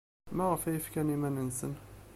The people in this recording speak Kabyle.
Maɣef ay fkan iman-nsen?